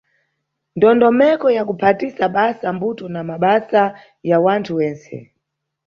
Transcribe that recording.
Ndondomeko ya Kuphatisa basa mbuto na Mabasa ya wanthu wentse.